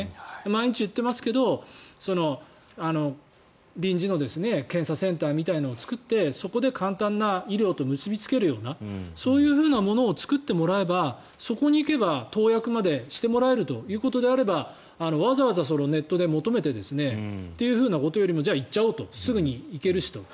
毎日言ってますけど臨時の検査センターみたいなのを作ってそこで簡単な医療と結びつけるようなそういうふうなものを作ってもらえばそこに行けば投薬までしてもらえるということであればわざわざネットで求めてということよりもじゃあ行っちゃおうとすぐに行けるしと。